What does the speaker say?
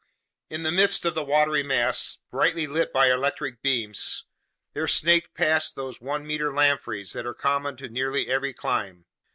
In the midst of the watery mass, brightly lit by our electric beams, there snaked past those one meter lampreys that are common to nearly every clime.